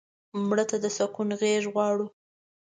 مړه ته د سکون غېږ غواړو